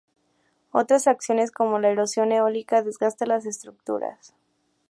Otras acciones como la erosión eólica desgasta las estructuras.